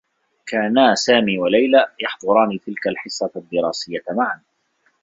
كانا سامي و ليلى يحضران تلك الحصّة الدّراسيّة معا.